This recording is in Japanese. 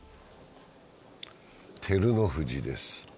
照ノ富士です。